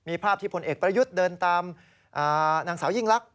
มีภาพที่พลเอกประยุทธ์เดินตามนางสาวยิ่งลักษ